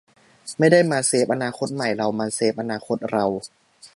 'ไม่ได้มาเซฟอนาคตใหม่ เรามาเซฟอนาคตเรา'